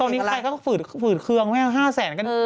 ตอนนี้ใครเขาฝืดเคือง๕๐๐๐๐๐กัน